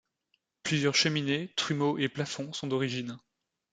Plusieurs cheminées, trumeaux et plafonds sont d'origine.